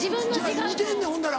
似てんねんほんだら。